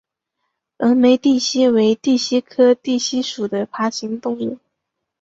峨眉地蜥为蜥蜴科地蜥属的爬行动物。